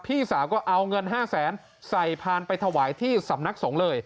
พี่สาวก็เอาเงิน๕แสนใส่พานไปถวายที่สำนักสงฆ์เลย